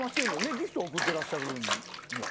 ギフトは贈ってらっしゃるやん。